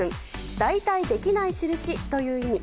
代替できない印という意味。